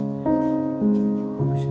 mungkin itu juga bisa